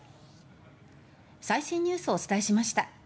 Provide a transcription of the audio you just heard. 最新ニュースをお伝えしました。